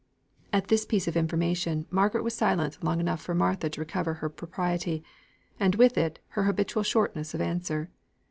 At this piece of information, Margaret was silent long enough for Martha to recover her propriety, and, with it, her habitual shortness of answer.